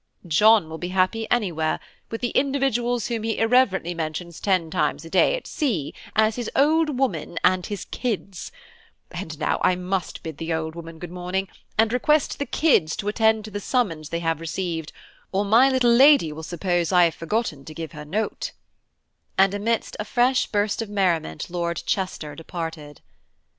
"John will be happy any where, with the individuals whom he irreverently mentions ten times a day at sea as his old woman and his kids; and now I must bid the old woman good morning, and request the kids to attend to the summons they have received, or my little lady will suppose I have forgotten to give her note;" and amidst a fresh burst of merriment Lord Chester departed.